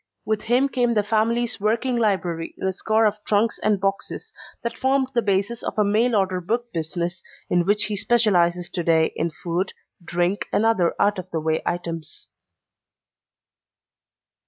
With him came the family's working library in a score of trunks and boxes, that formed the basis of a mail order book business in which he specializes today in food, drink and other out of the way items.